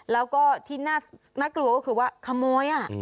และก็ที่น่ากลัวว่าเขาบ่อย